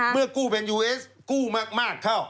เมื่อกู้เป็นยูเอสกู้มากเข้า